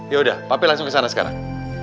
yaudah papi langsung kesana sekarang